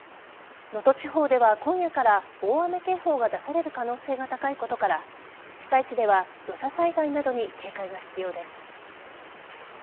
能登地方では今夜から大雨警報が出される可能性が高いことから被災地では土砂災害などに警戒が必要です。